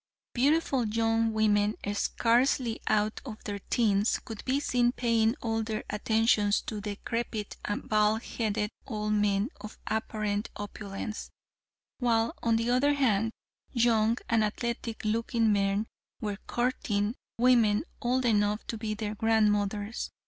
Beautiful young women scarcely out of their teens, could be seen paying all of their attentions to decrepit, bald headed old men of apparent opulence, while on the other hand, young and athletic looking men were courting women old enough to be their grandmothers.